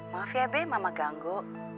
maaf ya be mama ganggu